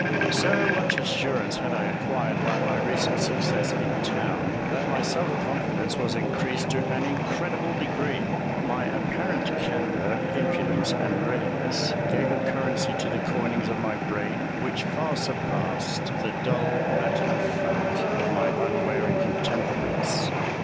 So much assurance had I acquired by my recent success in town, that my self confidence was increased to an incredible degree. My apparent candour, impudence, and readiness gave a currency to the coinings of my brain which far surpassed the dull matter of fact of my unwary contemporaries.